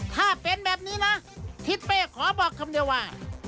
ถ้าเป็นแบบนี้นะทิศเป้ขอบอกคำเดียวว่า